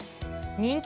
人気